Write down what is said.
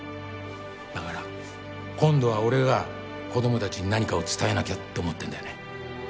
だから今度は俺が子供たちに何かを伝えなきゃって思ってるんだよね。